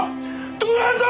どうなんだ！？